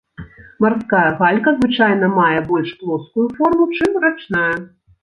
Марская галька звычайна мае больш плоскую форму, чым рачная.